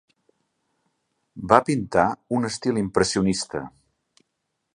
Va pintar en un estil impressionista.